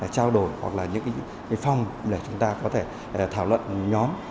trao đổi hoặc là những phong để chúng ta có thể thảo luận nhóm